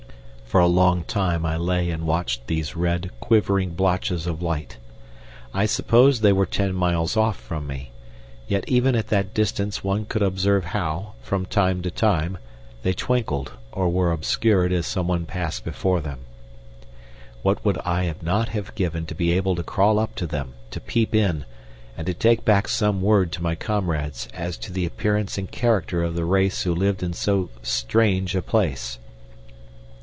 For a long time I lay and watched these red, quivering blotches of light. I suppose they were ten miles off from me, yet even at that distance one could observe how, from time to time, they twinkled or were obscured as someone passed before them. What would I not have given to be able to crawl up to them, to peep in, and to take back some word to my comrades as to the appearance and character of the race who lived in so strange a place!